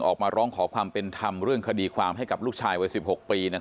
ออกมาร้องขอความเป็นธรรมเรื่องคดีความให้กับลูกชายวัย๑๖ปี